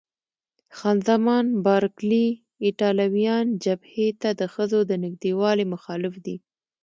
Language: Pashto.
خان زمان بارکلي: ایټالویان جبهې ته د ښځو د نږدېوالي مخالف دي.